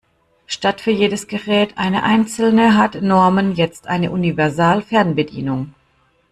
Statt für jedes Gerät eine einzelne hat Norman jetzt eine Universalfernbedienung.